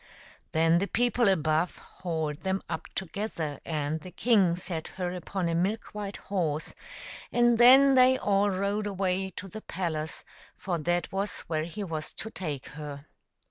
Then the people above hauled them up together, and the king set her upon a milk white horse, and then they all rode away to the palace, for that was where he was to take her.